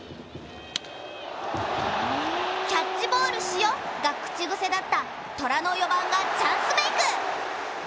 「キャッチボールしよ」が口癖だった虎の４番がチャンスメイク。